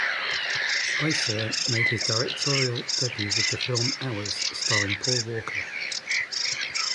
Heisserer made his directorial debut with the film "Hours", starring Paul Walker.